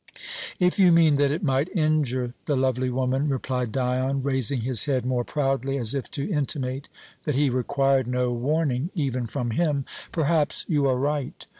"If you mean that it might injure the lovely woman," replied Dion, raising his head more proudly as if to intimate that he required no warning, even from him, "perhaps you are right.